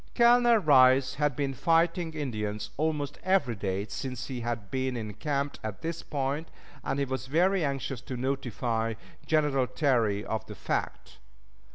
Colonel Rice had been fighting Indians almost every day since he had been encamped at this point, and he was very anxious to notify General Terry of the fact.